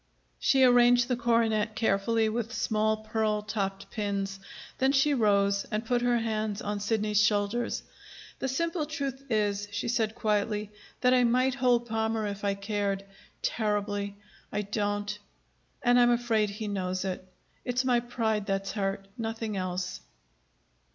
She arranged the coronet carefully with small pearl topped pins. Then she rose and put her hands on Sidney's shoulders. "The simple truth is," she said quietly, "that I might hold Palmer if I cared terribly. I don't. And I'm afraid he knows it. It's my pride that's hurt, nothing else."